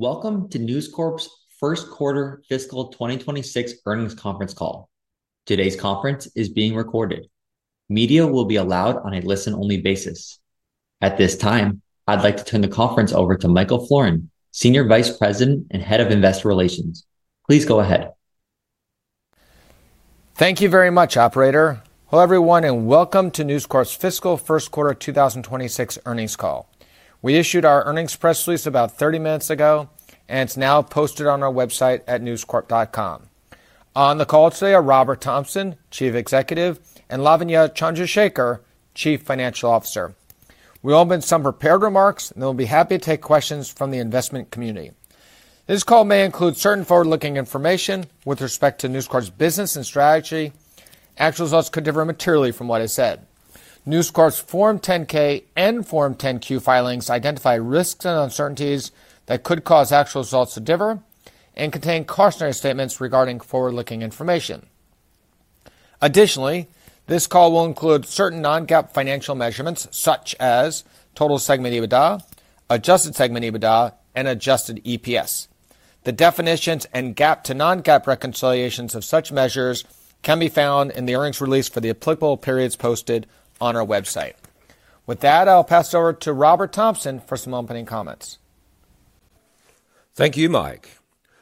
Welcome to News Corp's First Quarter Fiscal 2026 Earnings Conference Call. Today's conference is being recorded. Media will be allowed on a listen-only basis. At this time, I'd like to turn the conference over to Michael Florin, Senior Vice President and Head of Investor Relations. Please go ahead. Thank you very much, operator. Hello, everyone and welcome to News Corp's Fiscal First Quarter 2026 Earnings Call. We issued our earnings press release about 30 minutes ago, and it's now posted on our website at newscorp.com. On the call today are Robert Thomson, Chief Executive, and Lavanya Chandrashekar, Chief Financial Officer. We'll open with some prepared remarks, and then we'll be happy to take questions from the investment community. This call may include certain forward-looking information with respect to News Corp's business and strategy. Actual results could differ materially from what is said. News Corp's Form 10-K and Form 10-Q filings identify risks and uncertainties that could cause actual results to differ, and contain cautionary statements regarding forward-looking information. Additionally, this call will include certain non-GAAP financial measurements such as total segment EBITDA, adjusted segment EBITDA, and adjusted EPS. The definitions and GAAP to non-GAAP reconciliations of such measures can be found in the earnings release for the applicable periods posted on our website. With that, I'll pass it over to Robert Thomson for some opening comments. Thank you, Mike.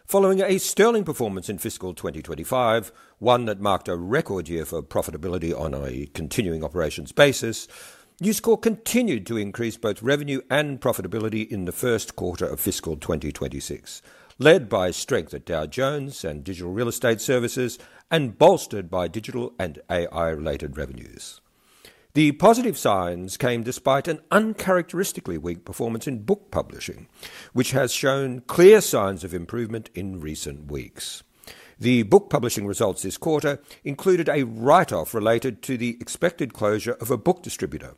Following a sterling performance in fiscal 2025, one that marked a record year for profitability on a continuing operations basis, News Corp continued to increase both revenue and profitability in the first quarter of fiscal 2026, led by strength at Dow Jones and digital real estate services and bolstered by digital and AI-related revenues. The positive signs came despite an uncharacteristically weak performance in book publishing, which has shown clear signs of improvement in recent weeks. The book publishing results this quarter included a write-off related to the expected closure of a book distributor.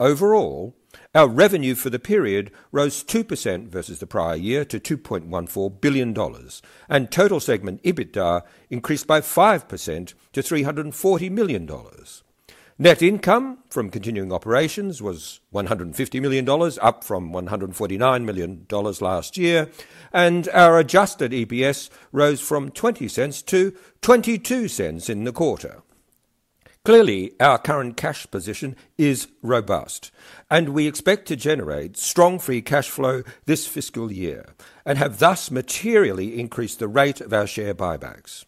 Overall, our revenue for the period rose 2% versus the prior year to $2.14 billion, and total segment EBITDA increased by 5% to $340 million. Net income from continuing operations was $150 million, up from $149 million last year and our adjusted EPS rose from $0.20 to $0.22 in the quarter. Clearly, our current cash position is robust, and we expect to generate strong free cash flow this fiscal year and have thus materially increased the rate of our share buybacks.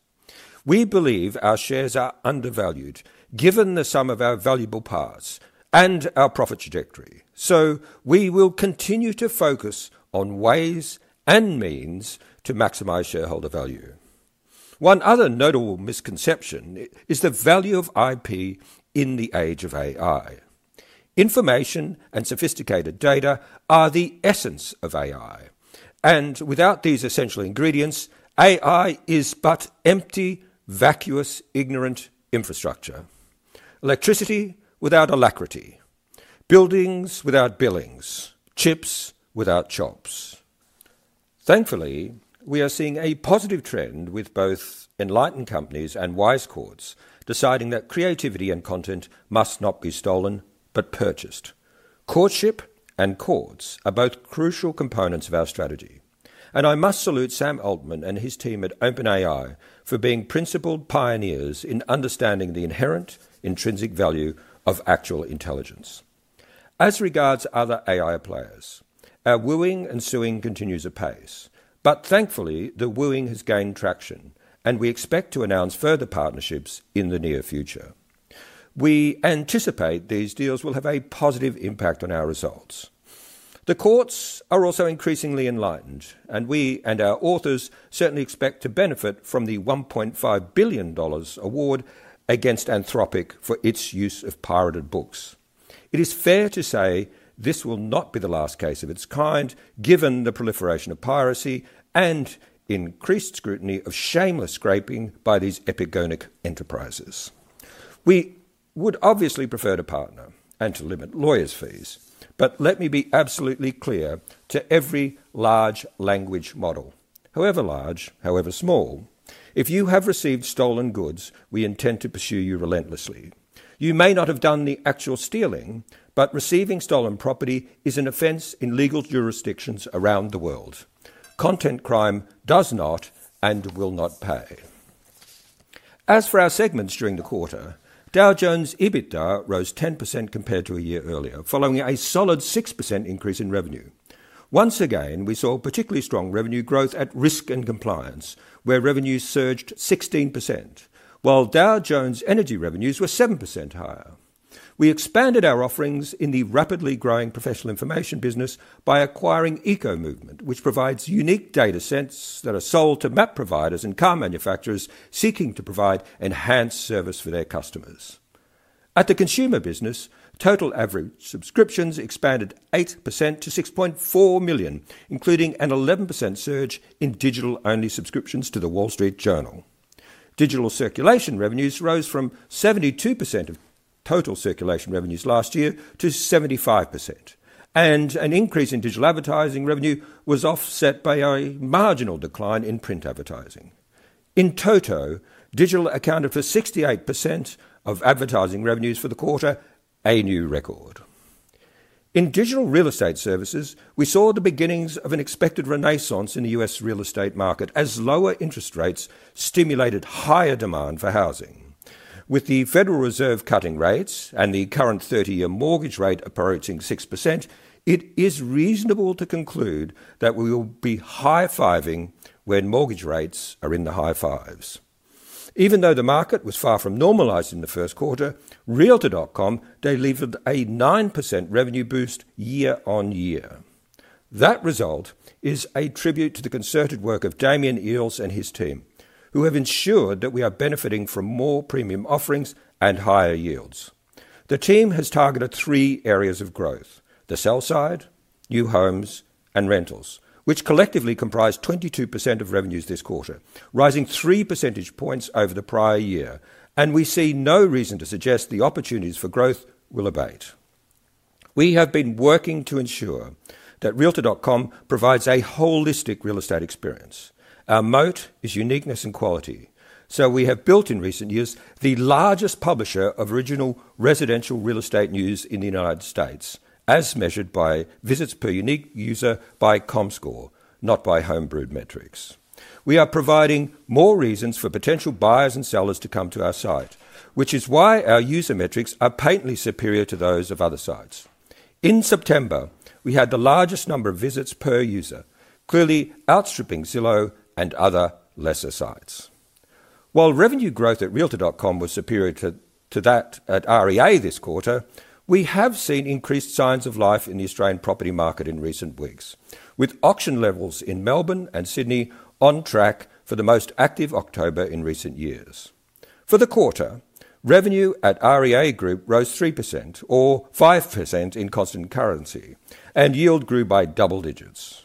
We believe our shares are undervalued, given the sum of our valuable parts and our profit trajectory, so we will continue to focus on ways and means to maximize shareholder value. One other notable misconception is the value of IP in the age of AI. Information and sophisticated data are the essence of AI, and without these essential ingredients, AI is but empty, vacuous, ignorant infrastructure. Electricity without alacrity, buildings without billings, chips without chops. Thankfully, we are seeing a positive trend with both enlightened companies, and [wise courts] deciding that creativity and content must not be stolen but purchased. Courtship and courts are both crucial components of our strategy, and I must salute Sam Altman and his team at OpenAI for being principled pioneers in understanding the inherent intrinsic value of actual intelligence. As regards to other AI players, our wooing and suing continues apace, but thankfully the wooing has gained traction and we expect to announce further partnerships in the near future. We anticipate these deals will have a positive impact on our results. The courts are also increasingly enlightened, and we and our authors certainly expect to benefit from the $1.5 billion award against Anthropic for its use of pirated books. It is fair to say this will not be the last case of its kind, given the proliferation of piracy and increased scrutiny of shameless scraping by these epigonic enterprises. We would obviously prefer to partner and to limit lawyers' fees, but let me be absolutely clear to every large language model, however large, however small, if you have received stolen goods, we intend to pursue you relentlessly. You may not have done the actual stealing, but receiving stolen property is an offense in legal jurisdictions around the world. Content crime does not and will not pay. As for our segments during the quarter, Dow Jones EBITDA rose 10% compared to a year earlier, following a solid 6% increase in revenue. Once again, we saw particularly strong revenue growth at risk and compliance, where revenues surged 16%, while Dow Jones Energy revenues were 7% higher. We expanded our offerings in the rapidly growing professional information business by acquiring Eco-Movement, which provides unique data sets that are sold to [map] providers and car manufacturers seeking to provide enhanced service for their customers. At the consumer business, total average subscriptions expanded 8% to 6.4 million, including an 11% surge in digital-only subscriptions to the Wall Street Journal. Digital circulation revenues rose from 72% of total circulation revenues last year to 75%, and an increase in digital advertising revenue was offset by a marginal decline in print advertising. In total, digital accounted for 68% of advertising revenues for the quarter, a new record. In digital real estate services, we saw the beginnings of an expected renaissance in the U.S. real estate market, as lower interest rates stimulated higher demand for housing. With the Federal Reserve cutting rates and the current 30-year mortgage rate approaching 6%, it is reasonable to conclude that we will be high-fiving when mortgage rates are in the high fives. Even though the market was far from normalized in the first quarter, Realtor.com delivered a 9% revenue boost year-on-year. That result is a tribute to the concerted work of Damian Eales and his team, who have ensured that we are benefiting from more premium offerings and higher yields. The team has targeted three areas of growth, the sell side, new homes and rentals, which collectively comprise 22% of revenues this quarter, rising 3 percentage points over the prior year. We see no reason to suggest the opportunities for growth will abate. We have been working to ensure that Realtor.com provides a holistic real estate experience. Our moat is uniqueness and quality, so we have built in recent years the largest publisher of original residential real estate news in the United States, as measured by visits per unique user by Comscore, not by Homebrewed metrics. We are providing more reasons for potential buyers and sellers to come to our site, which is why our user metrics are patently superior to those of other sites. In September, we had the largest number of visits per user, clearly outstripping Zillow and other lesser sites. While revenue growth at Realtor.com was superior to that at REA this quarter, we have seen increased signs of life in the Australian property market in recent weeks, with auction levels in Melbourne and Sydney on track for the most active October in recent years. For the quarter, revenue at REA Group rose 3%, or 5% in constant currency, and yield grew by double digits.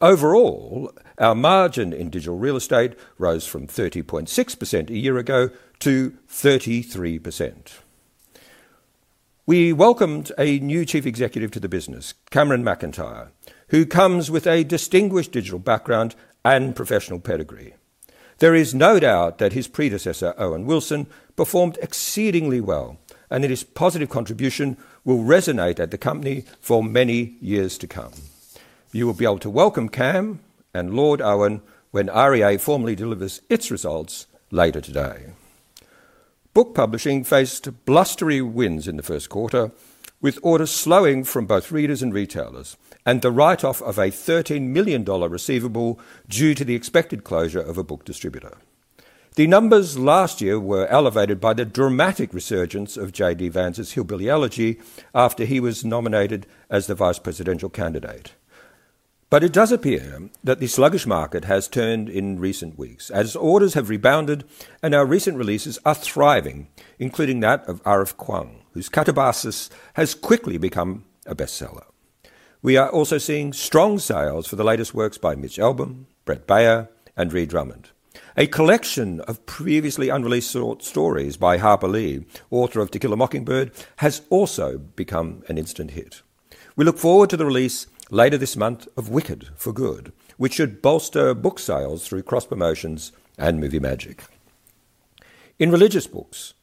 Overall, our margin in digital real estate rose from 30.6% a year ago to 33%. We welcomed a new Chief Executive to the business, Cameron McIntyre, who comes with a distinguished digital background and professional pedigree. There is no doubt that his predecessor, Owen Wilson, performed exceedingly well and his positive contribution will resonate at the company for many years to come. You will be able to welcome Cam and Lord Owen when REA formally delivers its results later today. Book publishing faced blustery winds in the first quarter, with orders slowing from both readers and retailers, and the write-off of a $13 million receivable due to the expected closure of a book distributor. The numbers last year were elevated by the dramatic resurgence of JD Vance's Hillbilly Elegy, after he was nominated as the vice presidential candidate. It does appear that the sluggish market has turned in recent weeks, as orders have rebounded and our recent releases are thriving, including that of R. F. Kuang, whose Katabasis has quickly become a bestseller. We are also seeing strong sales for the latest works by Mitch Albom, Bret Baier, and Ree Drummond. A collection of previously unreleased short stories by Harper Lee, author of To Kill a Mockingbird, has also become an instant hit. We look forward to the release later this month of Wicked, For Good, which should bolster book sales through cross-promotions and movie magic. In religious books,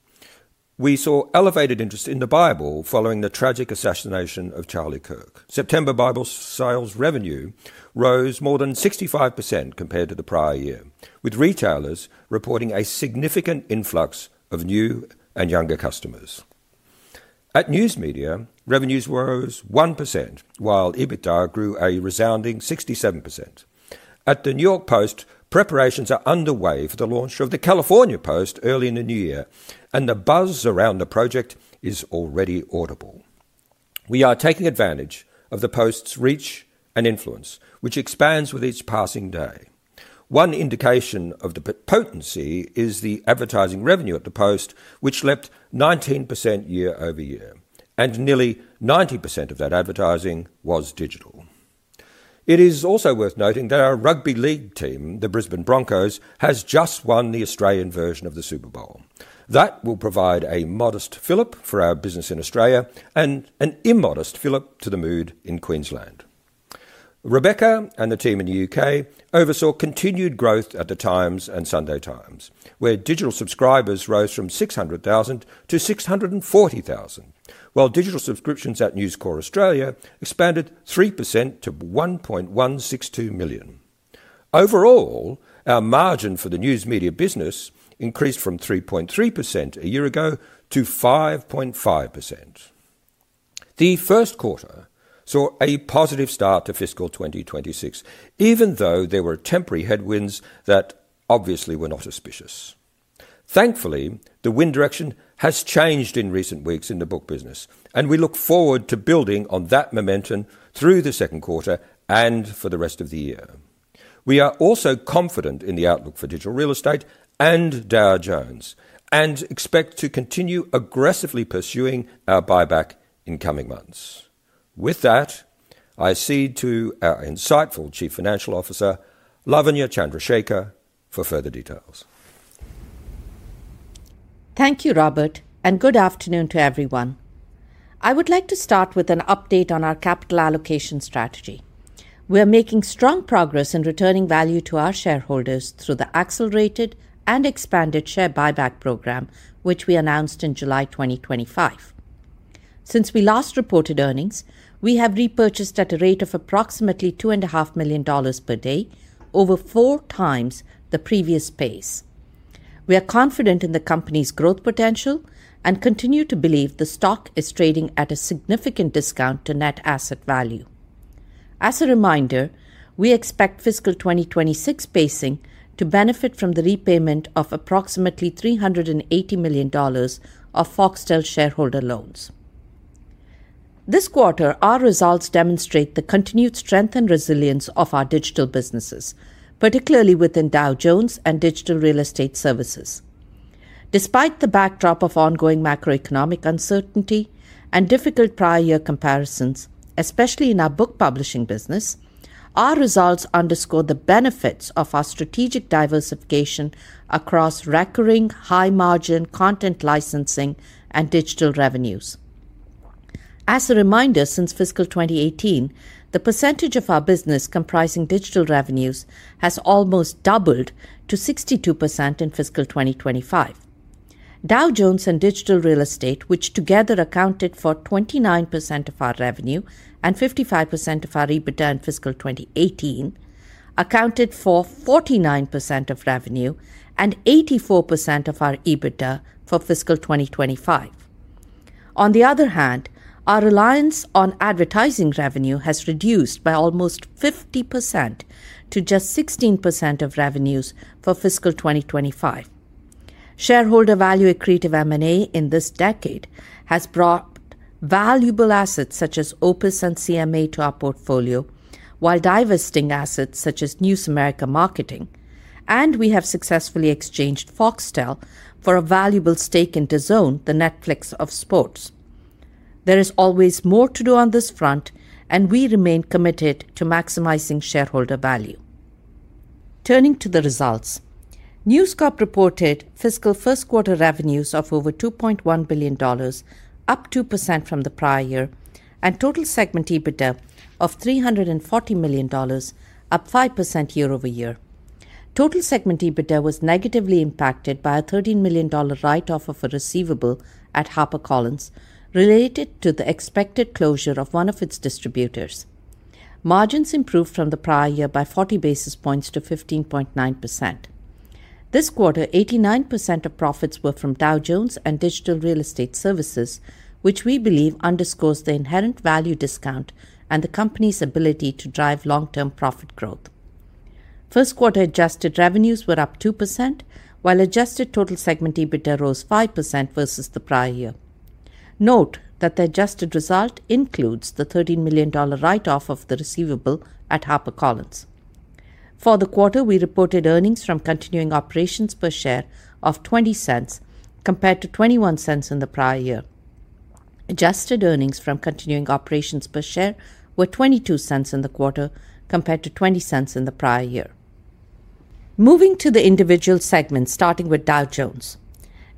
we saw an elevated interest in the Bible following the tragic assassination of Charlie Kirk. September Bible sales revenue rose more than 65% compared to the prior year, with retailers reporting a significant influx of new and younger customers. At news media, revenues rose 1%, while EBITDA grew a resounding 67%. At the New York Post, preparations are underway for the launch of the California Post early in the new yea and the buzz around the project is already audible. We are taking advantage of the Post's reach and influence, which expands with each passing day. One indication of the potency is the advertising revenue at the Post, which leapt 19% year-over-year and nearly 90% of that advertising was digital. It is also worth noting that our rugby league team, the Brisbane Broncos, has just won the Australian version of the Super Bowl. That will provide a modest fill-up for our business in Australia, and an immodest fill-up to the mood in Queensland. Rebecca and the team in the U.K. oversaw continued growth at The Times and Sunday Times, where digital subscribers rose from 600,000 to 640,000, while digital subscriptions at News Corp Australia expanded 3% to 1.162 million. Overall, our margin for the news media business increased from 3.3% a year ago to 5.5%. The first quarter saw a positive start to fiscal 2026, even though there were temporary headwinds that obviously were not auspicious. Thankfully, the wind direction has changed in recent weeks in the book business, and we look forward to building on that momentum through the second quarter and for the rest of the year. We are also confident in the outlook for digital real estate and Dow Jones, and expect to continue aggressively pursuing our buyback in coming months. With that, I cede to our insightful Chief Financial Officer, Lavanya Chandrashekar for further details. Thank you, Robert, and good afternoon to everyone. I would like to start with an update on our capital allocation strategy. We're making strong progress in returning value to our shareholders through the accelerated and expanded share buyback program, which we announced in July 2023. Since we last reported earnings, we have repurchased at a rate of approximately $2.5 million per day, over 4x the previous pace. We are confident in the company's growth potential, and continue to believe the stock is trading at a significant discount to net asset value. As a reminder, we expect fiscal 2024 pacing to benefit from the repayment of approximately $380 million of Foxtel shareholder loans. This quarter, our results demonstrate the continued strength and resilience of our digital businesses, particularly within Dow Jones and digital real estate services. Despite the backdrop of ongoing macroeconomic uncertainty and difficult prior-year comparisons, especially in our book publishing business, our results underscore the benefits of our strategic diversification across recurring, high-margin content licensing and digital revenues. As a reminder, since fiscal 2018, the percentage of our business comprising digital revenues has almost doubled to 62% in fiscal 2025. Dow Jones and digital real estate, which together accounted for 29% of our revenue and 55% of our EBITDA in fiscal 2018, accounted for 49% of revenue and 84% of our EBITDA for fiscal 2025. On the other hand, our reliance on advertising revenue has reduced by almost 50%, to just 16% of revenues for fiscal 2025. Shareholder value accretive M&A in this decade has brought valuable assets such as OPIS and CMA to our portfolio, while divesting assets such as News America Marketing. We have successfully exchanged Foxtel for a valuable stake in DAZN, the Netflix of sports. There is always more to do on this front, and we remain committed to maximizing shareholder value. Turning to the results, News Corp reported fiscal first quarter revenues of over $2.1 billion, up 2% from the prior year and total segment EBITDA of $340 million, up 5% year-over-year. Total segment EBITDA was negatively impacted by a $13 million write-off of a receivable at HarperCollins, related to the expected closure of one of its distributors. Margins improved from the prior year by 40 basis points to 15.9%. This quarter, 89% of profits were from Dow Jones and digital real estate services, which we believe underscores the inherent value discount and the company's ability to drive long-term profit growth. First quarter adjusted revenues were up 2%, while adjusted total segment EBITDA rose 5% versus the prior year. Note that the adjusted result includes the $13 million write-off of the receivable at HarperCollins. For the quarter, we reported earnings from continuing operations per share of $0.20, compared to $0.21 in the prior year. Adjusted earnings from continuing operations per share were $0.22 in the quarter, compared to $0.20 in the prior year. Moving to the individual segment, starting with Dow Jones.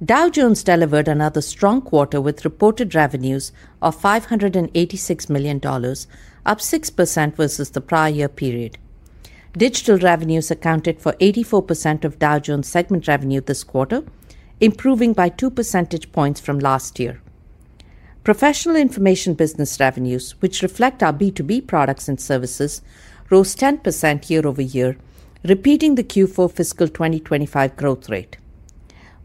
Dow Jones delivered another strong quarter with reported revenues of $586 million, up 6% versus the prior year period. Digital revenues accounted for 84% of Dow Jones segment revenue this quarter, improving by 2 percentage points from last year. Professional information business revenues, which reflect our B2B products and services, rose 10% year-over-year, repeating the Q4 fiscal 2025 growth rate.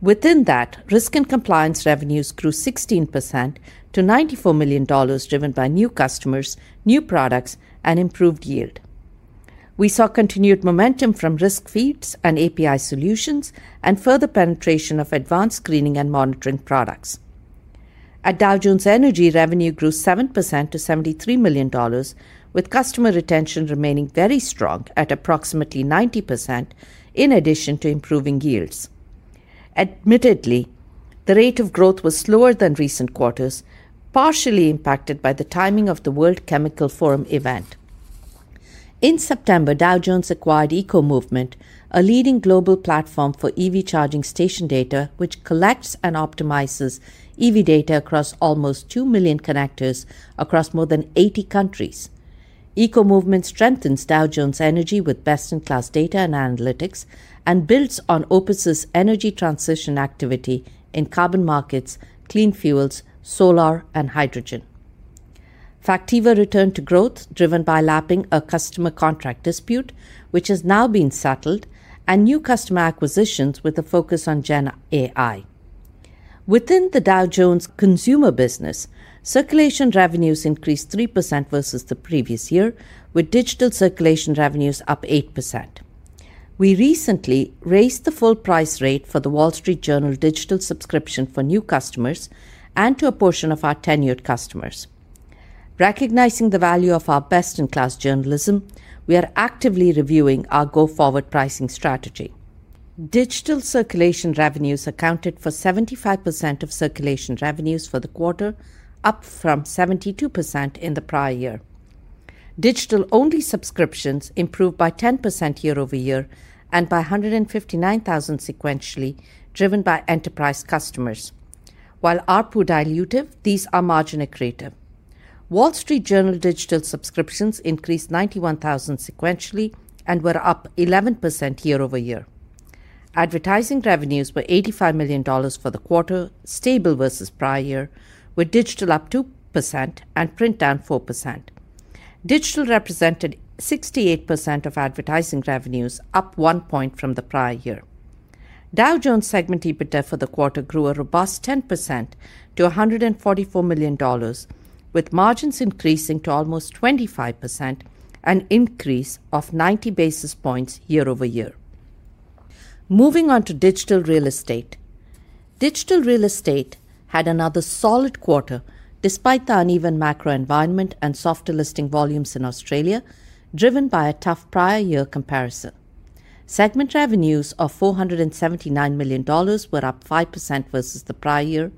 Within that, risk and compliance revenues grew 16% to $94 million, driven by new customers, new products, and improved yield. We saw continued momentum from risk feeds and API solutions, and further penetration of advanced screening and monitoring products. At Dow Jones Energy, revenue grew 7% to $73 million, with customer retention remaining very strong at approximately 90%, in addition to improving yields. Admittedly, the rate of growth was slower than recent quarters, partially impacted by the timing of the World Chemical Forum event. In September, Dow Jones acquired Eco-Movement, a leading global platform for EV charging station data, which collects and optimizes EV data across almost 2 million connectors across more than 80 countries. Eco-Movement strengthens Dow Jones Energy with best-in-class data and analytics, and builds on OPIS's energy transition activity in carbon markets, clean fuels, solar, and hydrogen. Factiva returned to growth, driven by lapping a customer contract dispute, which has now been settled, and new customer acquisitions with a focus on GenAI. Within the Dow Jones consumer business, circulation revenues increased 3% versus the previous year, with digital circulation revenues up 8%. We recently raised the full price rate for the Wall Street Journal digital subscription for new customers, and to a portion of our tenured customers. Recognizing the value of our best-in-class journalism, we are actively reviewing our go-forward pricing strategy. Digital circulation revenues accounted for 75% of circulation revenues for the quarter, up from 72% in the prior year. Digital-only subscriptions improved by 10% year-over-year and by $159,000 sequentially, driven by enterprise customers. While ARPU's dilutive, these are margin accretive. Wall Street Journal digital subscriptions increased $91,000 sequentially, and were up 11% year-over-year. Advertising revenues were $85 million for the quarter, stable versus prior year, with digital up 2% and print down 4%. Digital represented 68% of advertising revenues, up one point from the prior year. Dow Jones segment EBITDA for the quarter grew a robust 10% to $144 million, with margins increasing to almost 25%, an increase of 90 basis points year-over-year. Moving on to digital real estate. Digital real estate had another solid quarter despite the uneven macro environment and softer listing volumes in Australia, driven by a tough prior-year comparison. Segment revenues of $479 million were up 5% versus the prior year,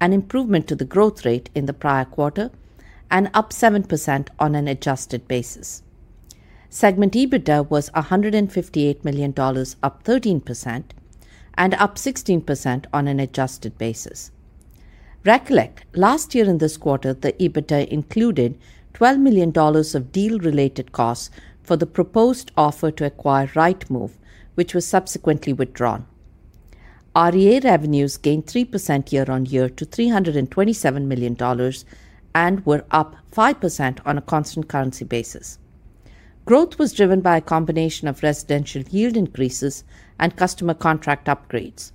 an improvement to the growth rate in the prior quarter and up 7% on an adjusted basis. Segment EBITDA was $158 million, up 13%, and up 16% on an adjusted basis. Recollect, last year in this quarter, the EBITDA included $12 million of deal-related costs for the proposed offer to acquire Rightmove, which was subsequently withdrawn. REA revenues gained 3% year-on-year to $327 million, and were up 5% on a constant currency basis. Growth was driven by a combination of residential yield increases and customer contract upgrades.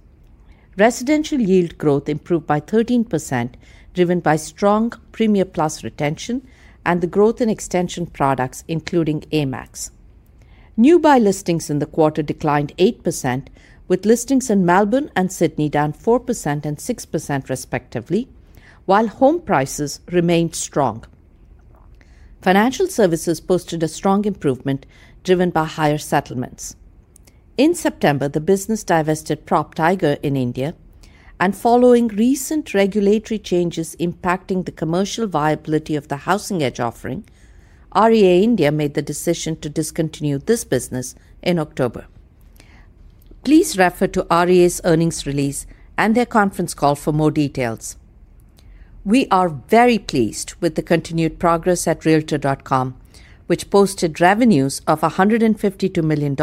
Residential yield growth improved by 13%, driven by strong Premier Plus retention and the growth in extension products, including AMAX. New buy listings in the quarter declined 8%, with listings in Melbourne and Sydney down 4% and 6% respectively, while home prices remained strong. Financial services posted a strong improvement, driven by higher settlements. In September, the business divested PropTiger in India, and following recent regulatory changes impacting the commercial viability of the housing-edge offering, REA India made the decision to discontinue this business in October. Please refer to REA's earnings release and their conference call for more details. We are very pleased with the continued progress at Realtor.com, which posted revenues of $152 million,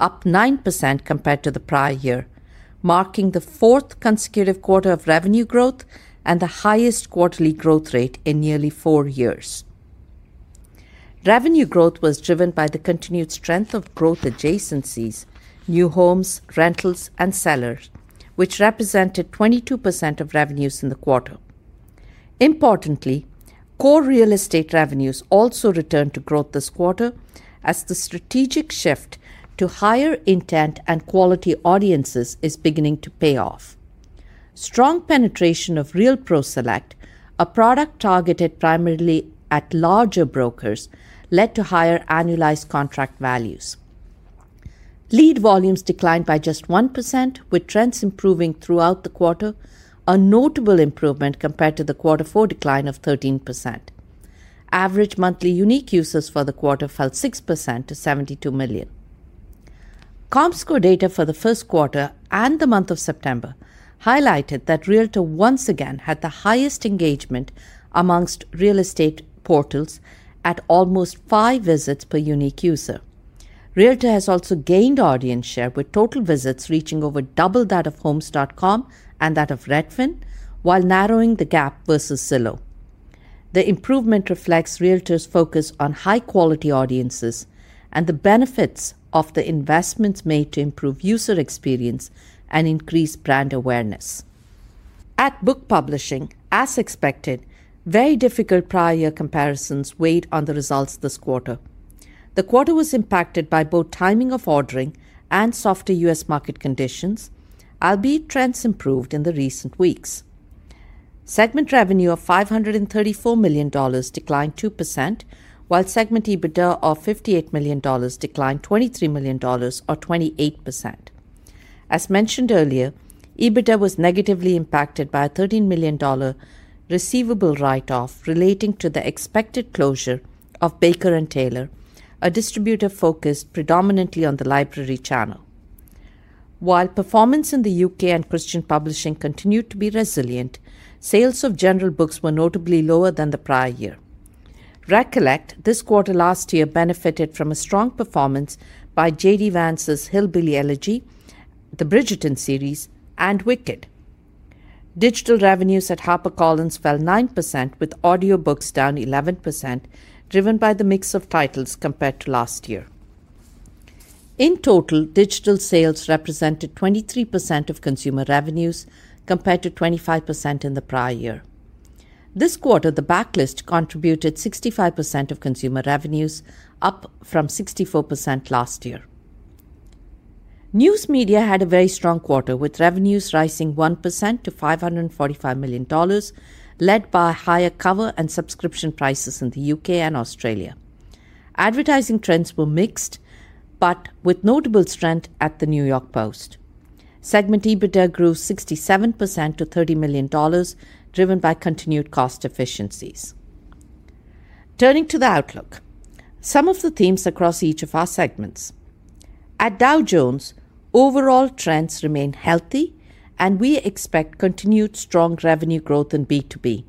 up 9% compared to the prior year, marking the fourth consecutive quarter of revenue growth and the highest quarterly growth rate in nearly four years. Revenue growth was driven by the continued strength of growth adjacencies, new homes, rentals, and sellers, which represented 22% of revenues in the quarter. Importantly, core real estate revenues also returned to growth this quarter, as the strategic shift to higher intent and quality audiences is beginning to pay off. Strong penetration of RealPro Select, a product targeted primarily at larger brokers, led to higher annualized contract values. Lead volumes declined by just 1%, with trends improving throughout the quarter, a notable improvement compared to the quarter four decline of 13%. Average monthly unique users for the quarter fell 6% to 72 million. Comscore data for the first quarter and the month of September highlighted that Realtor once again had the highest engagement amongst real estate portals, at almost five visits per unique user. Realtor has also gained audience share, with total visits reaching over double that of Homes.com and that of Redfin, while narrowing the gap versus Zillow. The improvement reflects Realtor's focus on high-quality audiences, and the benefits of the investments made to improve user experience and increase brand awareness. At book publishing, as expected, very difficult prior-year comparisons weighed on the results this quarter. The quarter was impacted by both timing of ordering and softer U.S. market conditions, albeit trends improved in the recent weeks. Segment revenue of $534 million declined 2%, while segment EBITDA of $58 million declined $23 million or 28%. As mentioned earlier, EBITDA was negatively impacted by a $13 million receivable write-off relating to the expected closure of Baker & Taylor, a distributor focused predominantly on the library channel. While performance in the U.K. and christian publishing continued to be resilient, sales of general books were notably lower than the prior year. Recollect, this quarter last year benefited from a strong performance by JD Vance's Hillbilly Elegy, the Bridgerton series, and Wicked. Digital revenues at HarperCollins fell 9%, with audiobooks down 11%, driven by the mix of titles compared to last year. In total, digital sales represented 23% of consumer revenues compared to 25% in the prior year. This quarter, the backlist contributed 65% of consumer revenues, up from 64% last year. News media had a very strong quarter, with revenues rising 1% to $545 million, led by higher cover and subscription prices in the U.K. and Australia. Advertising trends were mixed, but with notable strength at the New York Post. Segment EBITDA grew 67% to $30 million, driven by continued cost efficiencies. Turning to the outlook, some of the themes across each of our segments. At Dow Jones, overall trends remain healthy, and we expect continued strong revenue growth in B2B.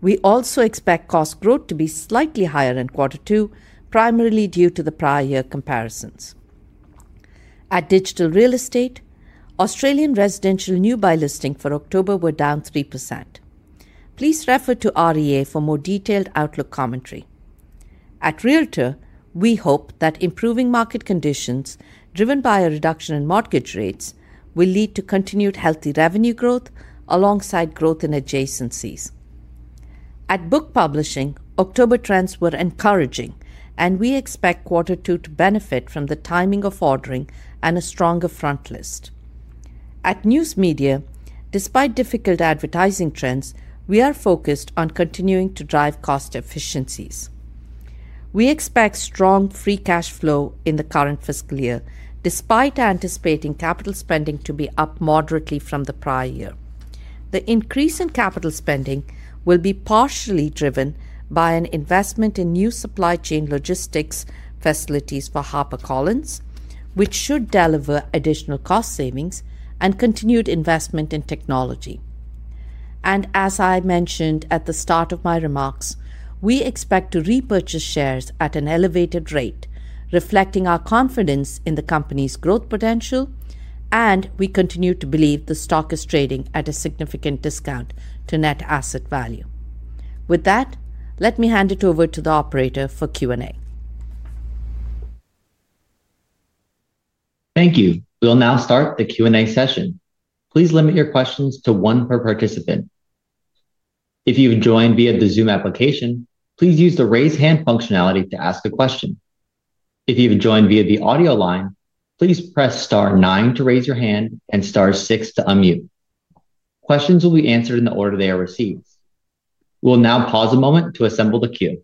We also expect cost growth to be slightly higher in quarter two, primarily due to the prior-year comparisons. At digital real estate, Australian residential new buy listings for October were down 3%. Please refer to REA for more detailed outlook commentary. At Realtor, we hope that improving market conditions, driven by a reduction in mortgage rates will lead to continued healthy revenue growth, alongside growth in adjacencies. At book publishing, October trends were encouraging, and we expect quarter two to benefit from the timing of ordering and a stronger front list. At news media, despite difficult advertising trends, we are focused on continuing to drive cost efficiencies. We expect strong free cash flow in the current fiscal year, despite anticipating capital spending to be up moderately from the prior year. The increase in capital spending will be partially driven by an investment in new supply chain logistics facilities for HarperCollins, which should deliver additional cost savings and continued investment in technology. As I mentioned at the start of my remarks, we expect to repurchase shares at an elevated rate, reflecting our confidence in the company's growth potential. We continue to believe the stock is trading at a significant discount to net asset value. With that, let me hand it over to the operator for Q&A. Thank you. We'll now start the Q&A session. Please limit your questions to one per participant. If you've joined via the Zoom application, please use the raise hand functionality to ask a question. If you've joined via the audio line, please press star, nine to raise your hand and star, six to unmute. Questions will be answered in the order they are received. We'll now pause a moment to assemble the queue.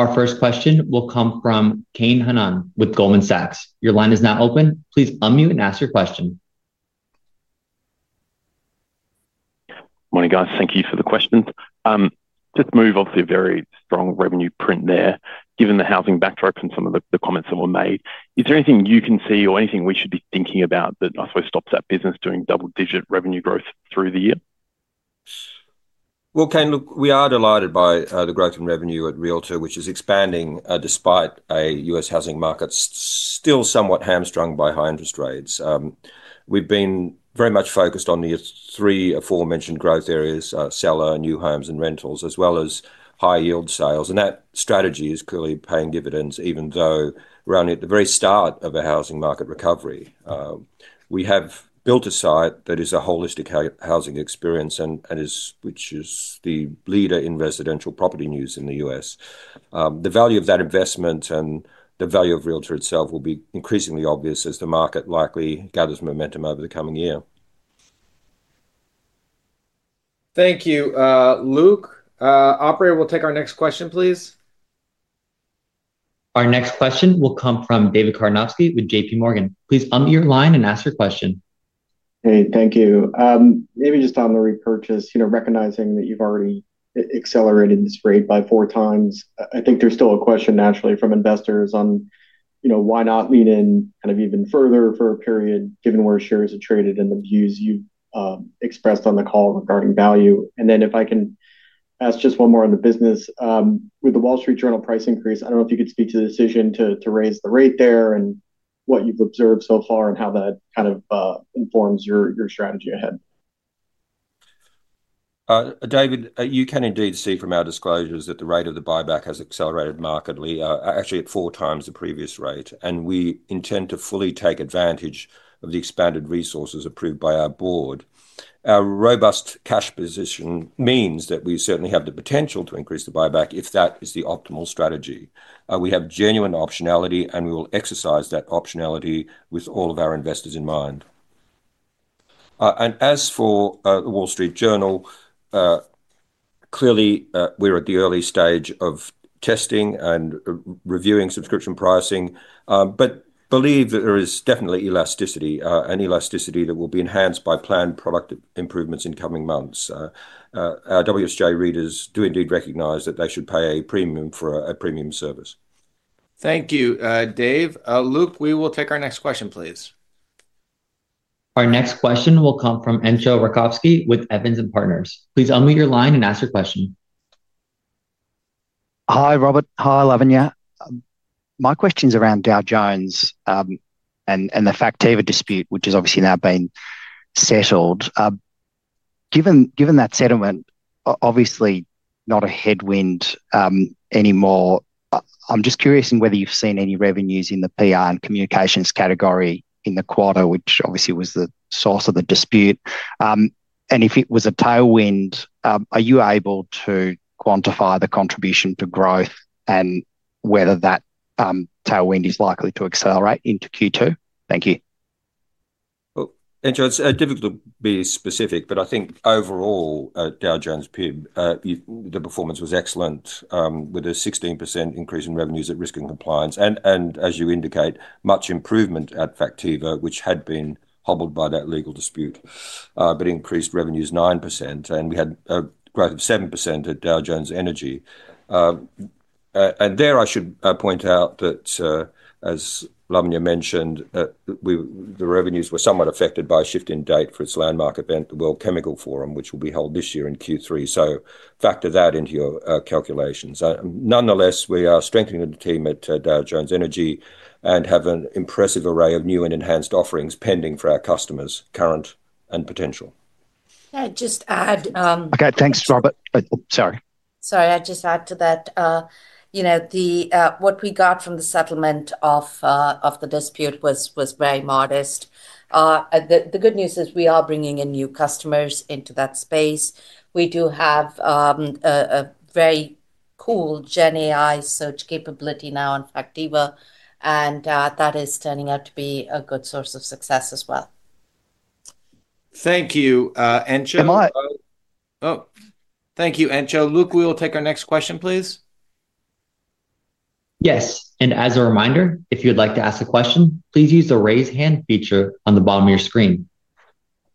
Our first question will come from Kane Hannan with Goldman Sachs. Your line is now open. Please unmute and ask your question. Morning, guys. Thank you for the questions. obviously a very strong revenue print there, given the housing backdrop and some of the comments that were made. Is there anything you can see or anything we should be thinking about that I suppose stops that business doing double-digit revenue growth through the year? Look, Kane, we are delighted by the growth in revenue at Realtor, which is expanding despite a U.S. housing market still somewhat hamstrung by high interest rates. We've been very much focused on the three aforementioned growth areas, seller, new homes, and rentals, as well as high-yield sales. That strategy is clearly paying dividends, even though we're only at the very start of a housing market recovery. We have built a site that is a holistic housing experience, which is the leader in residential property news in the U.S. The value of that investment and the value of Realtor itself will be increasingly obvious, as the market likely gathers momentum over the coming year. Thank you. Luke, operator, we'll take our next question, please. Our next question will come from David Karnovsky with JP Morgan. Please unmute your line and ask your question. Hey, thank you. Maybe just on the repurchase, recognizing that you've already accelerated this rate by 4x. I think there's still a question naturally from investors on, why not lean in kind of even further for a period, given where shares are traded and the views you've expressed on the call regarding value? If I can ask just one more on the business, with the Wall Street Journal price increase, I don't know if you could speak to the decision to raise the rate there and what you've observed so far, and how that kind of informs your strategy ahead. David, you can indeed see from our disclosures that the rate of the buyback has accelerated markedly, actually at 4x the previous rate, and we intend to fully take advantage of the expanded resources approved by our board. Our robust cash position means that we certainly have the potential to increase the buyback, if that is the optimal strategy. We have genuine optionality, and we will exercise that optionality with all of our investors in mind. As for the Wall Street Journal, clearly, we're at the early stage of testing and reviewing subscription pricing, but believe that there is definitely elasticity, an elasticity that will be enhanced by planned product improvements in coming months. Our WSJ readers do indeed recognize that they should pay a premium for a premium service. Thank you, Dave. Luke, we will take our next question, please. Our next question will come from Entcho Raykovski with Evans & Partners. Please unmute your line and ask your question. Hi, Robert. Hi, Lavanya. My question's around Dow Jones and the Factiva dispute, which has obviously now been settled. Given that settlement, obviously not a headwind anymore. I'm just curious in whether you've seen any revenues in the PR and communications category in the quarter, which obviously was the source of the dispute. If it was a tailwind, are you able to quantify the contribution to growth and whether that tailwind is likely to accelerate into Q2? Thank you. Entcho, it's difficult to be specific, but I think overall, Dow Jones PIB, the performance was excellent, with a 16% increase in revenues at risk and compliance. As you indicate, much improvement at Factiva, which had been hobbled by that legal dispute, but increased revenues 9%. We had a growth of 7% at Dow Jones Energy. There, I should point out that, as Lavanya mentioned, the revenues were somewhat affected by a shift in date for its landmark event, the World Chemical Forum, which will be held this year in Q3. Factor that into your calculations. Nonetheless, we are strengthening the team at Dow Jones Energy, and have an impressive array of new and enhanced offerings pending for our customers, current and potential. Okay. Thanks, Robert. Sorry. Sorry. I would just add to that. What we got from the settlement of the dispute was very modest. The good news is we are bringing in new customers into that space. We do have a very cool GenAI search capability now on Factiva, and that is turning out to be a good source of success as well. Thank you, Entcho. Luke, we will take our next question, please. Yes. As a reminder, if you would like to ask a question, please use the raise hand feature on the bottom of your screen.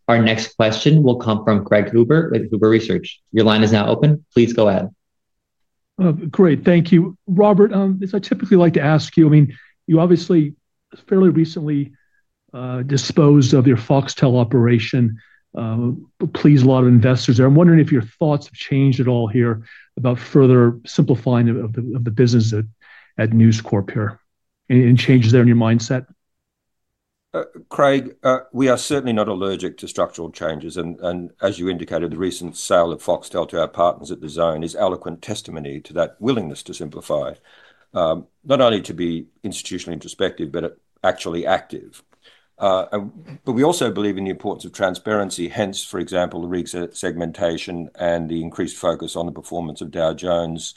Our next question will come from Craig Luber with Luber Research. Your line is now open. Please go ahead. Great, thank you. Robert, as I typically like to ask you, I mean, you obviously fairly recently disposed of your Foxtel operation. Pleased a lot of investors there. I'm wondering if your thoughts have changed at all here, about further simplifying of the business at News Corp here. Any changes there in your mindset? Craig, we are certainly not allergic to structural changes. As you indicated, the recent sale of Foxtel to our partners at DAZN is eloquent testimony to that willingness to simplify. Not only to be institutionally introspective, but actually active. We also believe in the importance of transparency, hence for example, the rigged segmentation and the increased focus on the performance of Dow Jones,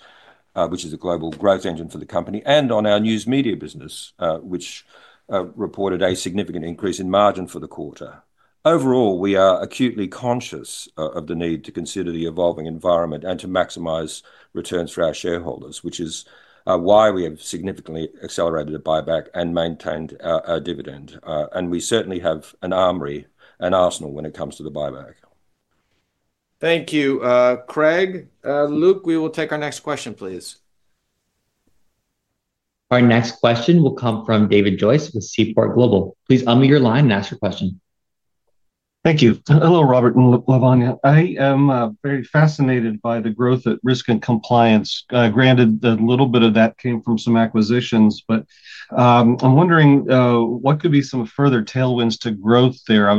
which is a global growth engine for the company and on our news media business, which reported a significant increase in margin for the quarter. Overall, we are acutely conscious of the need to consider the evolving environment and to maximize returns for our shareholders, which is why we have significantly accelerated a buyback and maintained our dividend. We certainly have an armory and arsenal when it comes to the buyback. Thank you, Craig. Luke, we will take our next question, please. Our next question will come from David Joyce with Seaport Global. Please unmute your line and ask your question. Thank you. Hello, Robert and Lavanya. I am very fascinated by the growth at risk and compliance, granted that a little bit of that came from some acquisitions. I'm wondering, what could be some further tailwinds to growth there?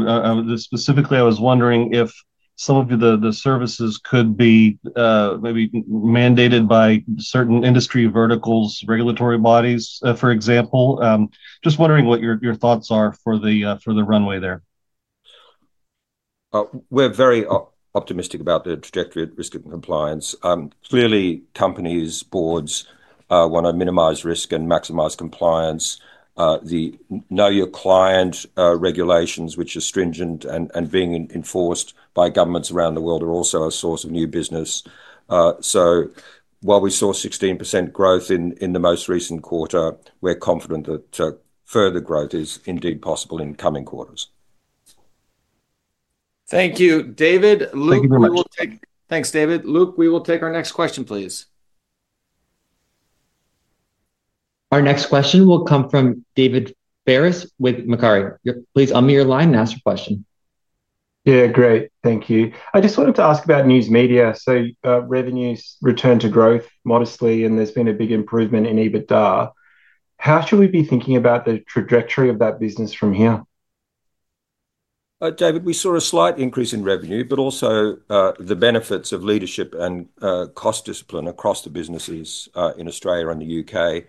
Specifically, I was wondering if some of the services could be maybe mandated by certain industry verticals, regulatory bodies, for example. Just wondering what your thoughts are for the runway there. We're very optimistic about the trajectory at risk and compliance. Clearly, companies, boards want to minimize risk and maximize compliance. The know-your-client regulations, which are stringent and being enforced by governments around the world, are also a source of new business. While we saw 16% growth in the most recent quarter, we're confident that further growth is indeed possible in coming quarters. Thank you, David. Thank you very much. Thanks, David. Luke, we will take our next question, please. Our next question will come from David Ferris with Macquarie. Please unmute your line and ask your question. Yeah, great. Thank you. I just wanted to ask about news media. Revenues returned to growth modestly, and there's been a big improvement in EBITDA. How should we be thinking about the trajectory of that business from here? David, we saw a slight increase in revenue, but also the benefits of leadership and cost discipline across the businesses in Australia and the U.K.,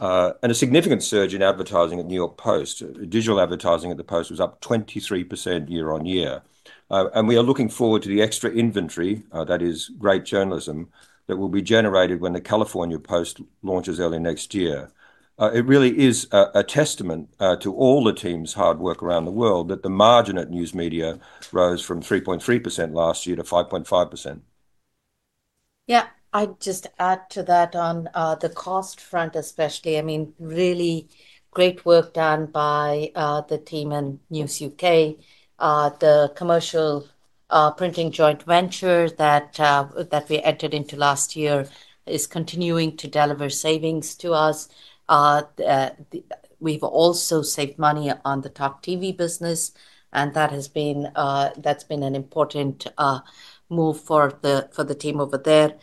and a significant surge in advertising at New York Post. Digital advertising at the Post was up 23% year-on-year. We are looking forward to the extra inventory, that is great journalism, that will be generated when the California Post launches early next year. It really is a testament to all the team's hard work around the world, that the margin at news media rose from 3.3% last year to 5.5%. Yeah. I'd just add to that on the cost front, especially, I mean, really great work done by the team in News U.K. The commercial printing joint venture that we entered into last year is continuing to deliver savings to us. We've also saved money on the talk TV business, and that has been an important move for the team over there.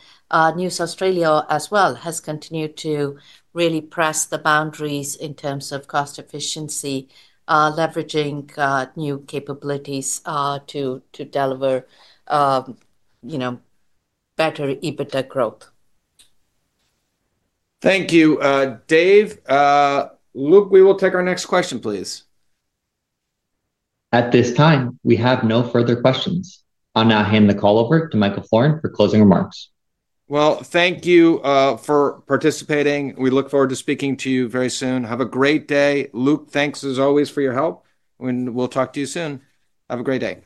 News Australia as well has continued to really press the boundaries in terms of cost efficiency, leveraging new capabilities to deliver better EBITDA growth. Thank you, Dave. Luke, we will take our next question, please. At this time, we have no further questions. I'll now hand the call over to Michael Florin for closing remarks. Thank you for participating. We look forward to speaking to you very soon. Have a great day. Luke, thanks as always for your help. We'll talk to you soon. Have a great day.